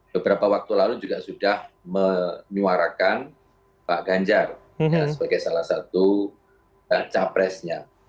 beberapa waktu lalu juga sudah menyuarakan pak ganjar sebagai salah satu capresnya